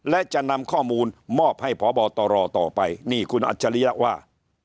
และจะนำข้อมูลมอบให้พบตรต่อไปนี่คุณอัจฉริยะว่า